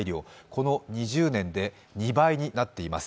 この２０年で２倍になっています。